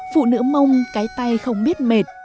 phụ nữ mông cái tay không biết mệt